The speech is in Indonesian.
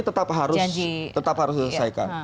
betul dan menurut saya ini tetap harus diselesaikan